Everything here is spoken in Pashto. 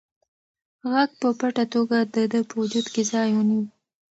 غږ په پټه توګه د ده په وجود کې ځای ونیوه.